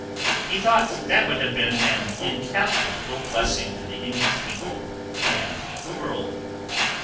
He thought that would have been an incalculable blessing to the English people and the world.